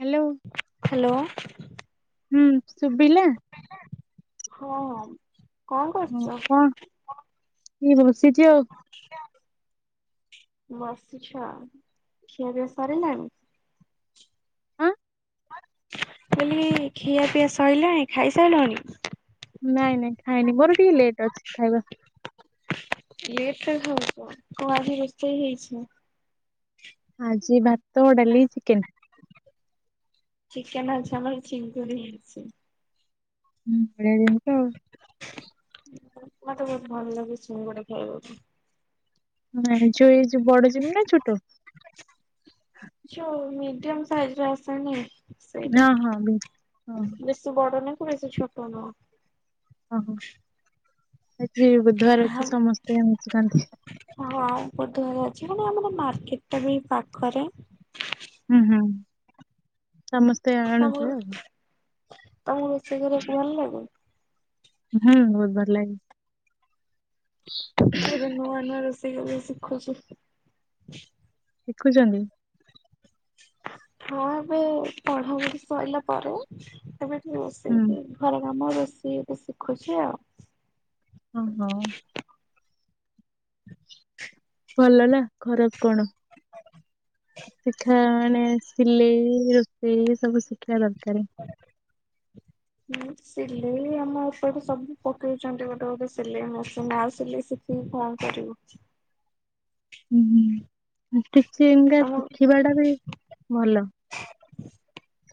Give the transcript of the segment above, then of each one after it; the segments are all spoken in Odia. Hello hello. ହୁଁ ଶୁଭିଲା। ହଁ। କଣ ହଁ, କରୁଛ? କଣ ଏଇ ବସିଛି ଆଉ। ବସିଛ ଆଉ ଖିଆ ପିଆ ସାରିଲାଣି। ଆଁ ମୁଁ କହିଲି ଖିଆ ପିଆ ସଇଲାଣି ଖାଇସାଇଲଣି। ନାଇଁ ନାଇଁ ଖାଇନି ମୋର ଟିକେ ଲେଟ୍। ଅଛି ଖାଇବା। ଲେଟ୍ ରେ ଖାଉଛ, କଣ ଆଜି ରୋଷେଇ ହେଇଛି? ଆଜି ଭା ଡ଼ାଲି, ଚିକେନ୍। ଚିକେନା ଅଝଲର ଚିନ୍ କରିଛି। ହୁଁ ବିରିଆନି ତ। ତ ବହୁତ ଭଲ ଲାଗେ ଚିଙ୍ଗୁଡ଼ି ଖାଇବାକୁ। ଯ ବଡ ଚିଙ୍ଗୁଡ଼ି ନା ଛୋଟ। ଯୋଉ ମିଡିୟମ ସାଇଜ ରେ ଆସେନି। ସେଇଟା ହଁ ହଁ ବ ହଁ। ବେଶୀ ବଡ ନୁହଁ ବେଶୀ ଛୋଟ ନୁହଁ। ଓହୋ। ଯ ବୁଧବାର ହଁ ଅଛି ସମସ୍ତେ ଆମିଷ ଖାଆନ୍ତି। ହଁ ଅଛି ମାନେ ଆମର ମାର୍କେଟ ଟା ବି ପାଖରେ ହୁଁ ହୁଁ ସମସ୍ତେ ତମକୁ ଆଣୁଥିବେ ଆଉ। ତମକୁ ରୋଷେଇ କରିବାକୁ ଭଲ ଲାଗେ। ହୁଁ ବହୁତ ଭଲ ଲାଗେ। ଏବେ ନୂଆ ନୂଆ ରୋଷେଇ ସେ ଶିଖୁଛୁ। ଶିଖୁଛନ୍ତି। ହଁ ଏବେ ପଢାପଢି ସରିଲା ପରେ ସେ [unintelligible] ହୁଁ ବସେଇକି ଘର ଆମର ରୋଷେଇ ଏବେ ଶିଖୁଛି ଆଉ। ଓହୋ। ଭଲ ନା ଖରାପ କଣ ଶିଖା ମାନେ ସିଲେଇ ରୋଷେଇ ସବୁ ଶିଖା ଦରକାର କାରେ ଁ ସିଲେଇ ଆମ ଏପଟେ ସବୁ ପକେଇଛନ୍ତି ଗୋଟେ ଗୋଟେ ସିଲେଇ ମେସିନ ସିଲେଇ ଶିଖିକି କଣ କରିବୁ। ହୁଁ ହୁ ଆ କିଛି ଏନିକା ତମ ଶିଖିବା ଟା ବି ଭଲ।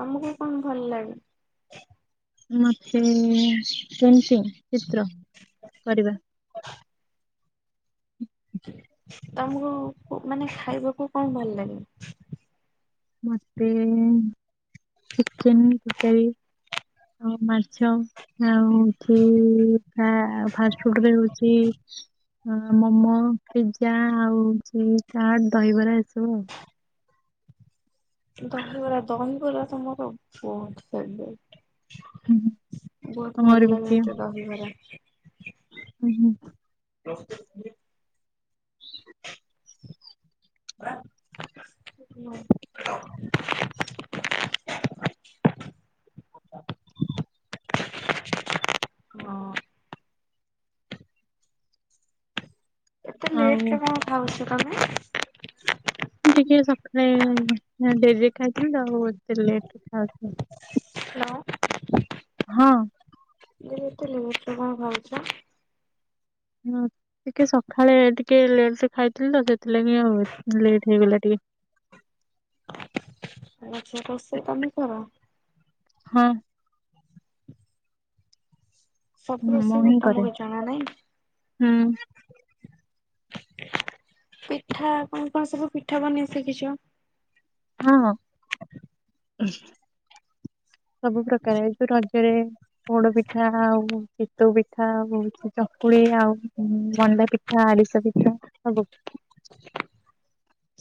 ତମକୁ କଣ ଭଲ ଲାଗେ? ମତେ ପେଣ୍ଟିଂ ଚିତ୍ର କରିବା ହଁ ତମକୁ ମାନେ ଖାଇବାକୁ କଣ ଭଲ ଲାଗେ? ମତେ ଚିକେନ ତରକାରୀ ଆଉ ମାଛ ଆଉଛି ଫାଷ୍ଟଫୁଡରେ ହଉଛି ମୋମୋ ପିଜା ଆଉ ହଉଛି ଚାଟ ଦହିବରା ଏସବୁ ଆଉ। ଦହିିବରା ଦହିିବୁରା ତ ମୋର ବହୁତ ଫେବରାଇଟ ଆଉ ବହୁତ ମୋର ଭଲ ବି ପ୍ରିୟ ଲାଗନ୍ନ୍ତା ଦହିବରା। ହୁଁ ହୁଁ। [unintelligible] [inaudible] [inaudible] [inaudible] [inaudible] ହଁ ଏତେ ଲେଟ ଆଉ ରେ କଣ ଖାଉଛ? ଆମେ ଟିକେ ସକାଳେ ଡେରିରେ ଖାଇଥିଲି ତ ଆଉ ଟିକେ ଲେଟରେ ଖାଉଥିଲୁ। ହ୍ୟାଲୋ ହଁ। ଏତେ ଲେଟ୍ ରେ କଣ ଖାଉଛ? ହଁ ଟିକେ ସକାଳେ ଟିକେ ଲେଟ ରେ ଖାଇଥିଲି ତ ସେଥିଲାଗି ଆଉ ଲେଟ ହେଇଗଲା ଟିକେ ଆଛା ରୋଷେଇ ତମେ କର? ହଁ। ସବୁ ମୁଁ ରୋଷେଇବ ହିଁ କରେ। ତମକୁ ଜଣା ନାହିଁ? ହୁଁ ପିଠା କଣ କଣ ସବୁ ପିଠା ବନେଇ ଶିଖିଛ? ହଁ ସବୁ ପ୍ରକାର ଏ ଯୋ ରଜରେ ପୋଡ ପିଠା ଆଉ ସିତୁ ପିଠା ଆଉ ଚକୁଳି ଆଉ ମଣ୍ଡା ପିଠା ଆରିସା ପିଠା ସବୁ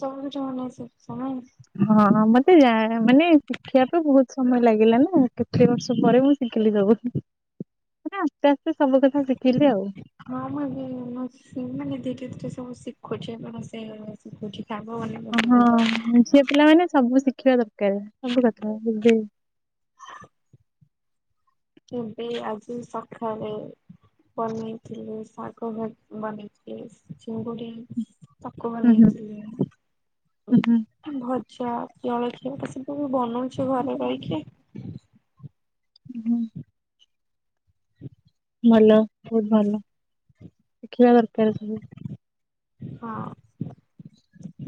ସବୁ ଜଣ ନାଇ ହଁ ମତେ ଯା ମାନେ ଶିଖିବା ପାଇଁ ବହୁତ ସମୟ ଲାଗିଲା ନା କେତେ ବର୍ଷ ପରେ ମୁଁ ଶିଖିଲି ସବୁ ମ ଆସ୍ତେ ଆସ୍ତେ ସବୁ କଥା ଶିଖିଲି ଆଉ। ହଁ ମୁଁ ମାନେ ଧୀରେ ଧୀରେ ସବୁ ଶିଖୁଛି ସେ ଶିଖୁଛି ଶାଗ ବନେଇବା ଓ ହଁ ଶିଖୁଛି ଝିଅ ପିଲାମାନେ ସବୁ ଶି ଶିଖିବା ଦରକାର ସବୁ କଥା ଏବେ ଏବେ ଆଜି ସକାଳେ ବନେଇଥିଲି ଶାଗ ବନେଇଥିଲେ ଚିଙ୍ଗୁଡି ତାକୁ ହୁଁ ହୁଁ ବନେଇଥିଲି ମୁଁ ଭ ଚା ଜଳଖିଆ ତ ସବୁ ବନଉଚି ହୁଁ ଘରେ ରହିକି। ହୁଁ। ଭଲ ବହୁତ ଭଲ ଶିଖିବା ଦରକାର ସବୁ। ହଁ।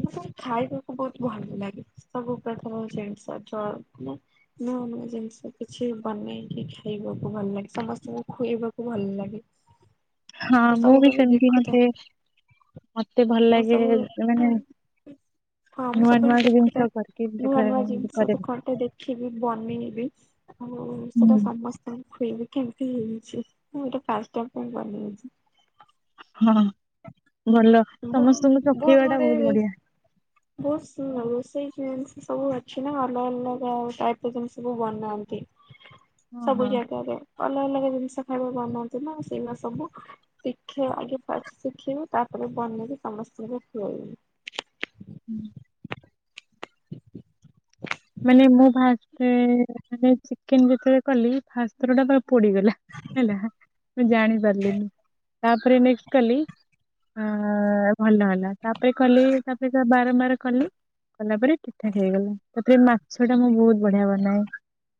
ମତେ ଖାଇବାକୁ ବହୁତ ଭଲ ଲାଗେ ସବୁ ପ୍ରକାର ଜିନିଷ ଜଳ ମାନେ ନୂଆ ନୂଆ ଜିନିଷ କିଛି ବନେଇକି ଖାଇବାକୁ ଭଲ ଲାଗେ ସମସ୍ତଙ୍କୁ ଖୁଆଇବାକୁ ଭଲ ଲାଗେ। ହଁ ମୁଁ ବି ସବୁବେଳେ ସେମିତି ମତେ ଦେଖୁଥାଏ ମତେ ଭଲ ମୁଁ ଲାଗେ ସବୁ ମାନେ ହଁ ମୁଁ ନୂଆ ନୂଆ ସବୁବେଳେ ଜିନିଷ ଦେଖୁଥାଏ କରିକି ଦେଖ ନୂଆ ନୂଆ ଜିନିଷ କରେ ତ କଣ ଟେ ଦେଖିବି ବନେଇବି ଆଉ ହୁଁ ସେଟା ସମସ୍ତଙ୍କୁ ଖୁଆଇବି କେମତି ହେଇ ଛି ମୁଁ ଏଇଟା ଫାଷ୍ଟ ଟାଇମ୍ ପାଇଁ ବନେଇଛି। ହଁ ଭଲ ସମସ୍ତଙ୍କୁ ବହୁତ ଚଖେଇବା ଟା ଗୁଡେ ବହୁତ ବଢିଆ ବହୁତ ସେଇ ଜିନିଷ ସବୁ ଅଛି ନା ଅଲଗା ଅଲଗା ଟାଇପ ର ଜିନିଷ ସବୁ ବନାନ୍ତି। ହଁ ସବୁ ହଁ ଜାଗାରେ ଅଲଗା ଅଲଗା। ଜିନିଷ ଖାଇବା ବନାନ୍ତି ନା ସେଇ ମା ସବୁ ଶିକ୍ଷା ଆଗେ ଶିଖିବୁ ତାପରେ ବନେଇକି ସମସ୍ତଙ୍କୁ ଖୁଆଇବୁ। ହୁଁ। ମାନେ ମୁଁ ଭା ହୁଁ ଚିକେନ ଯେତେବେଳେ କଲି ଫାଷ୍ଟ ଥର ଟା ପୋଡିଗଲା ହେଲା ମୁଁ ଜାଣି ପାରିଲିନି ତାପରେ ନେଷ୍ଟ୍ କଲି ଭଲ ହେଲା। ତାପରେ କଲେ ତାପରେ ବାରମ୍ବାର କଲି କଲା ପରେ ପିଠା ହେଇଗଲା। ସେଥିରେ ମାଛ ଟା ମୁଁ ବହୁତ ବଢିଆ ବନାଏ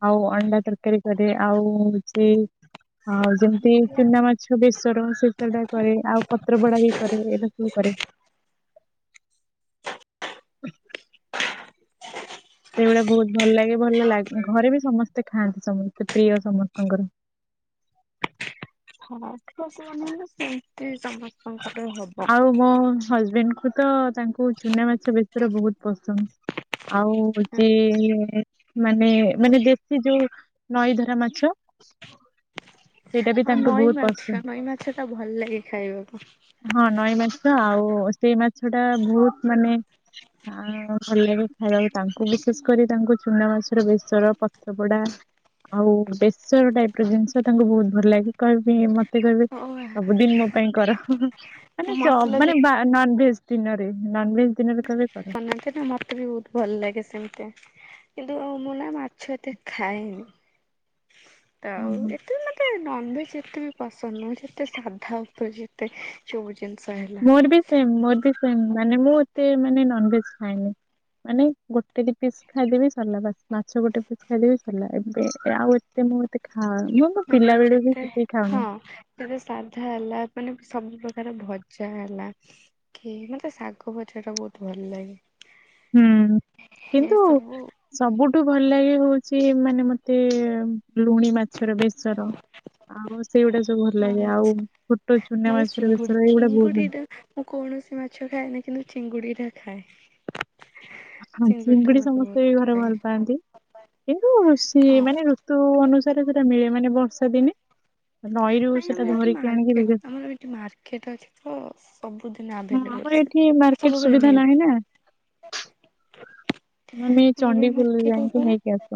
ଆଉ ଅଣ୍ଡା ତରକାରୀ କରେ ଆଉ ସେ ଆଉ ଯେମିତି ଚୁନା ମାଛ ବେସର ସେଇଟା କରେ ଆଉ ପତ୍ରପୋଡା ବି କରେ ଏଇଟା ସବୁ କରେ। ହୁ ହ ସେଇଭଳିଆ ବହୁତ ଭଲ ଲାଗେ। ଭଲ ଲାଗେ ଘରେ ବି ସମସ୍ତେ ଖାଆନ୍ତି ସମ ସେ ପ୍ରିୟ ସମସ୍ତଙ୍କର। ହଁ। [unintelligible] କି ଆଉ ମୋ ହଜବେଣ୍ଡ କୁ ତ ତାଙ୍କୁ ଚୁନା ମାଛ ବେଶି ବହୁତ ପସନ୍ଦ। ଆଉ ହଉଛି ମାନେ ମାନେ ଦେଶି ଯୋଉ ନଈ ଧରା ମାଛ ସେଇଟା ବି ହଁ ତାଙ୍କୁ ନଈ ବହୁତ ପସନ୍ଦ ମାଛ ନଈ ମାଛ ଟ ଭଲ ଲାଗେ ଖାଇବା। ହଁ ନଈ ମାଛ ତ ଆଉ ସେଇ ମାଛ ମାଛ ଟା ବହୁତ ମାନେ ଭଲ ଲାଗେ ଖାଇବାକୁ ତାଙ୍କୁ ବିଶେଷ କରି ତାଙ୍କୁ ଚୁନା ମାଛର ବେସର ପତ୍ରପଡା ଆଉ ବେସର ଟାଇପ ର ଜିନିଷ ତାଙ୍କୁ ବହୁତ ଭଲ ଲାଗେ କହିବି ମତେ କହିବେ ଓ ସବୁଦିନ ମ ପାଇଁ କର ମସଲା ମାନେ ଦେଇ ମାନେ ବା େ୍ତିନୋ ନନ୍ୱେଜ୍ ଶନାନ୍ତି ନା ମତେ ବି ବହୁତ ଭଲ ଲାଗେ ସେମିତି କିନ୍ତୁ ଅ ମୁନା ମାଛୁଆତ ଖାଇଏନି ତ ହଁ ହଁ ଏତ ମତେ ନନଭେଜ୍ ଯେତେ ବି ପସନ୍ଦ ନଁ ଯେତେ ସାଧା ଉପରେ ଯେତେ ଚବୁ ମୋର ବି ସେମ୍ ମୋର ବି ସେମ୍ ମାନେ ମୁଁ ଏତେ ମାନେ ନନଭେଜ ଖାଏନି ମାନେ ଗୋଟେ ପିସ୍ ଖାଇଦେବି ସରିଲା ବା ମାଛ ଗୋଟେ ପିସ୍ ଖାଇଦେବି ସରିଲା ଏବେ ଆଉ ଏତେ ମୁଁ ଏେ ମାନେ ଯେତେ ହଁ ଯେତେ ସାଧା ହେଲା। ମାନେ ସବୁ ପ୍ରକାର ଭଜା ହେଲା କି ମତେ ଶାଗ ଭଜା ଟା ବହୁତ ଭଲ ଲାଗେ। ହୁଁ ଏ କିନ୍ତୁ ସବୁ ସବୁ ଠୁ ଭଲ ଲାଗେ ହଉଛି ମାନେ ମତେ ଲୁଣି ମାଛର ବେସର ଆଉ ସେଇଗୁଡା ସବୁ ଭଲ ଲାଗେ ଆଉ ଆଚ୍ଛା। ଛୋଟ ଚୁନା ମତେ ମାଛର ଚିଙ୍ଗୁଡି ବେସର ଏଇଗୁଡା ବହୁତ ଚିଙ୍ଗୁଡି ଟା ମୁଁ କୌଣସି ମାଛ ଖାଏନି କିନ୍ତୁ ଚିଙ୍ଗୁଡି ଟା ଖାଏ। ହଁ ଟା ଚିଙ୍ଗୁଡି ମତେ ସମସ୍ତେ ବହୁତ ବି ଘରେ ଲାଗେ ଭଲ ପାଆନ୍ତି କିନ୍ତୁ ସିଏ ହଁ ମାନେ ଋତୁ ଅନୁ ସାରେ ସେଇଟା ମିଳେ ମାନେ ବର୍ଷା ଦିନେ ନଈରୁ ନାଇଁ ସେଟା ଆମର ଏଠି ଧରିକି ଆଣିକି ମାର୍କେଟ ବିକା ଆମର ଏଠି ମାର୍କେଟ ଅଛି ତ ସବୁ ହଁ ଆମର ଏଠି ମାର୍କେଟ ସୁବିଧା ନାହିଁ ନା। ଆମେ ଆମର ଏଇ ଚଣ୍ଡିଖୋଲ ମାର୍କେଟ ଯାଇକି ଉପରେ ନେଇକି ଆସୁ।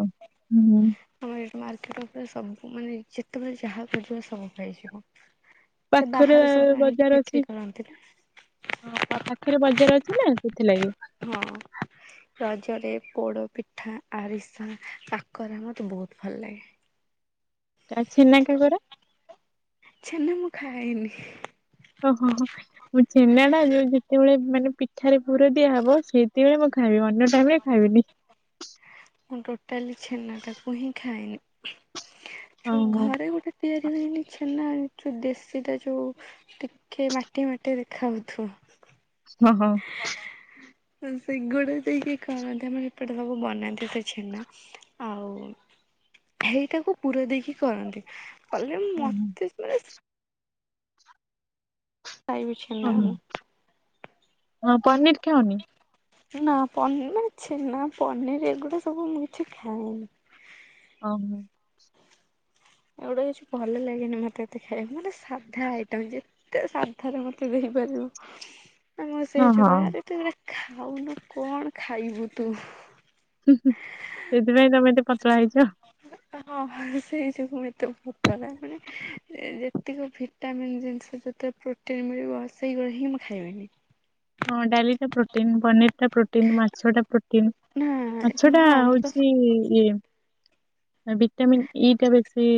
ହୁଁ ମାର୍କେଟ ଉପରେ ସବୁ ମାନେ ଯେତେ ତମେ ଯାହା ଖୋଜିବ ସ ସବୁ ପାଇଯିବ। ସେ ପାଖରେ ବାହାରୁ ସବୁ ଆଣିକି ବଜାର ବିକ୍ରି ଅଛି କରନ୍ତି ପାଖରେ ବଜାର ଅଛି ନା ସେଥିଲାଗି। ହଁ ରଜରେ ପୋଡ ପିଠା ଆରିସା କାକ କର ମତେ ବହୁତ ଭଲ ଲାଗେ। ଆ ଛେନା କାଙ୍କରା? ଛେନା ମୁଁ ଖାାଇନି। ଓହୋ ହ ହ ମୁଁ ଛେନାଟା ଯୋଉ ଯେତେବେଳେ ମାନେ ପିଠାରେ ପୁର ଦିଆ ହବ ସେଇତେବେଳେ ମୁଁ ଖାଏ ଅନ୍ୟ ଅନ୍ୟ ସମୟ ରେ ଖାଇବିନି। ମୁଁ ଟୋଟାଲି ଛେନାଟାକୁ ହିଁ ଖାଏନି। ଯୋଉ ଓହୋ ଘରେ ଗୋଟେ ତିଆରି ହୁଏନି, ଛେନା ଯୋଉ ଦେଶୀଟା ଯୋଉ ଟିକେ ମାଟିଆ ମାଟିଆ ଦେଖା ଯାଉଥିବ। ହଁ ହଁ। ହ ସେଇଗୁଡା ସେ କି କରନ୍ତି, ଆମର ଏପଟେ ସବୁ ବନାନ୍ତି ସେ ଛେନା। ଆଉ ହେଇଟାକୁ ପୁର ଦେଇକି କରନ୍ତି, କଲେ ଓହୋ ମୋତେ ବାସ ଖାଇବି ଛେନା ମୁଁ। ହ ପନିର ଖାଅନି? ନା ପନିର ମୋତେ ଛେନା ପନିର ଏଗୁଡା ସବୁ ମୁଁ କିଛି ଖାଏନି। ଓହୋ। ଏଗୁଡ଼ା କିଛି ଭଲ ଲାଗେନି ମତେ ଏତେ ଖାଇ ମାନେ ସାଧ୍ୟା ଆଇଟମ୍ ଯେ ଯେତେ ସାଧାରେ ମତେ ଦେଇପାରିବ। ଆମ ସେ ହଁ ହଁ [unintelligible] ଖାଉନୁ କଣ ଖାଇବୁ ତୁ। ସେଥିପାଇଁ ତମେ ଏତେ ପତଳା ହେଇଛ। ହଁ ହଁ ସେଇ ଏତେ ଭୂତଟା ମାନେ ଯେତିକ ଭିଟାମିନ୍ ଜିନିଷ ଯେତେ ପ୍ରୋଟିନ୍ ମିଳିବ ସେଇଗୁରା ହିଁ ମୁଁ ଖାଇବିନି। ହଁ ଡାଲି ଟା ପ୍ରୋଟିନ୍, ପନିର ଟା ପ୍ରୋଟିନ୍, ମାଛ ଟା ପ୍ରୋ ପ୍ରୋଟିନ୍, ନା ମାଛ ଟା ହଁ ମୁଁ ତ ହଉଛି ଇଏ ଭିଟାମିନ୍ ଇ ଟା ବେଶୀ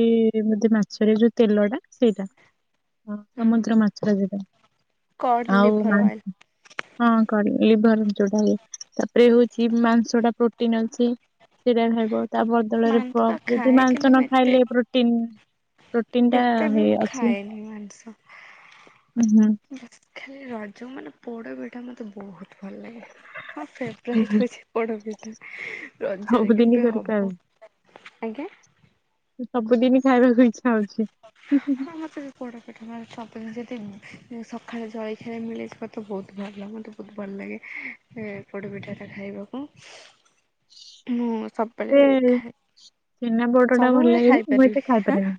ମାଛରେ ଯୋଉ ତେଲ ଟା ସେଇଟା। ହଁ ହୁଁ ସମୁଦ୍ର ମାଛରେ ଯୋଉଟା କଡ ଆଉ ଲିଭର ଅଏଲ ତା ହଁ କରିବା। ଲିଭର୍ ଯୋଉଟା ହୁଏ ତାପରେ ହଉଛି ମାଂସ ଟା ପ୍ରୋଟିନ୍ ଅଛି, ସେଟା ଖାଇବ। ତା ବଦଳରେ ମାଂସ ଯଦି ଖାଏ ମାଂସ କିନ୍ତୁ ନ ମୁଁ ଏତେ ଖାଇଲେ ପ୍ରୋଟିନ୍ ହୁଁ। ଏତେ ବି ମୁଁ ଖାଏନି ମାଂସ। ହୁଁ ହୁଁ ଖାଲି ରଜ ମାନେ ପୋଡ ପିଠା ମତେ ବହୁତ ଭଲ ଲାଗେ ମୋ ଫେବରାଇଟ୍ ହଉଛି ପୋଡ ପିଠା ରଜରେ ସବୁଦିନ କେବେ କରି ହବ ଖାଇବି ଆଜ୍ଞା। ସବୁଦିନ ଖାଇବାକୁ ଇଚ୍ଛା ହଉଛି। ହଁ ମତେ ବି ପୋଡ ପିଠା ଭଲ ସ ତ ଯଦି ସକାଳେ ଜଳଖିଆରେ ମିଳିଯିବ ତ ବହୁତ ଭଲ ମତେ ବହୁତ ଭଲ ଲାଗେ ପୋଡ଼ ପିଠାଟା ଖାଇବାକୁ, ହୁଁ। ସବୁବେଳେ ମତେ ଖାଏ। ଛେନା ପୋଡ ଟା ଭଲ ସବୁବେଳେ ଲାଗେନା ମୁଁ ଖାଇପାରିବି ଏତେ ଖାଇପାରେନି।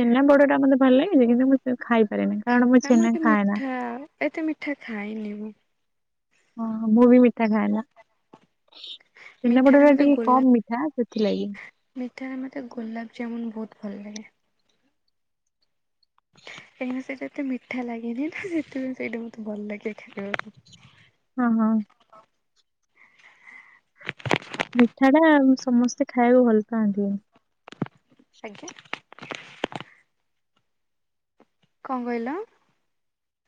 ଛେନା ପୋଡଟା ମତେ ଭଲ ଲାଗେ ଯେ କିନ୍ତୁ ମୁଁ ଖାଇପାରେନି କାରଣ ମୁଁ ନା ଛେନା ମତେ ଖାଏନା। ମିଠା ଏତେ ମିଠା ଖାଇନି ମୁଁ। ହଁ ମୁଁ ବି ମିଠା ଖାଏନା। ଛେନା ମିଠାରେ ପୋଡଟା ମୋତେ ଟିକେ କମ୍ ମିଠା ସେଥିଲାଗି। ତ ମତେ ଗୋଲାପ ଯାମୁନ୍ ବହୁତ ଭଲ ଲାଗେ। କାହିଁକିନା ସେଇଟା ଏତେ ମିଠା ଲାଗେନି ନା ସେଥିପାଇଁ ସେଇଟା ବହୁତ ଭଲ ଲାଗେ ଖାଇବାକୁ। ହଁ ହଁ। ମିଠା ଟା ସମସ୍ତେ ଖାଇବାକୁ ଭଲ ପାଆନ୍ତିନି। ଆଜ୍ଞା। କଣ କହିଲ?